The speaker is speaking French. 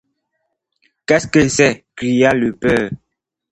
Qu’est-ce que c’est? cria le père.